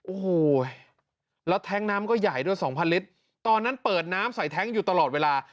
โอ้โหแล้วแท้งน้ำก็ใหญ่ด้วย๒๐๐ลิตรตอนนั้นเปิดน้ำใส่แท้งอยู่ตลอดเวลา